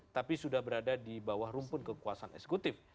tapi sudah berada di bawah rumpun kekuasaan eksekutif